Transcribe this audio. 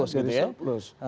neraca dagang jadi surplus